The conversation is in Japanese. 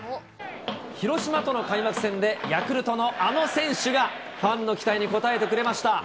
広島との開幕戦で、ヤクルトのあの選手がファンの期待に応えてくれました。